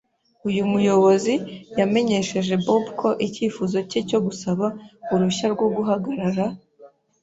Uyu muyobozi yamenyesheje Bob ko icyifuzo cye cyo gusaba uruhushya rwo guhagarara.